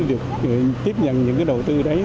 được tiếp nhận những đầu tư đấy